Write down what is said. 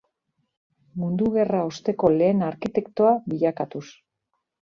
Mundu Gerra osteko lehen arkitektoa bilakatuz.